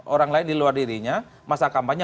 orang lain di luar dirinya masa kampanye